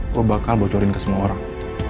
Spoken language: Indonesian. kok bakal bocorin ke semua orang